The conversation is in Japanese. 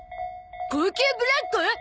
高級ブランコ？